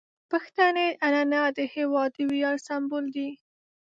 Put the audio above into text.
پښتني عنعنات د هیواد د ویاړ سمبول دي.